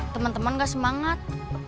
teman teman gak semangat